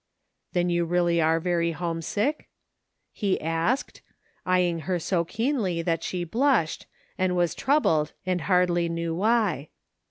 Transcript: " Then you really are very homesick ?" he asked, eying her so keenly that she blushed, and was troubled, she hardly knew why.